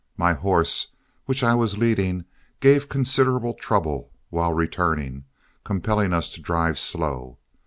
My horse, which I was leading, gave considerable trouble while returning, compelling us to drive slow.